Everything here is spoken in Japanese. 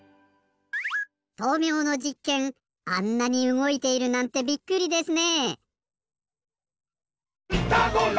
豆苗のじっけんあんなにうごいているなんてびっくりですね。